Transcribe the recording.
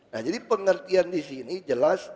nah jadi pengertian di sini jelas